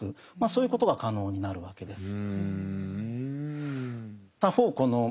そういうことが可能になるわけです。